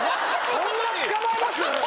そんな捕まえます？